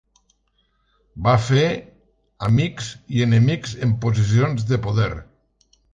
Va fer "amics i enemics en posicions de poder".